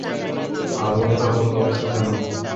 আবল-তাবল বকছো কেন?